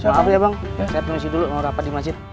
maaf ya bang saya pengungsi dulu mau rapat di masjid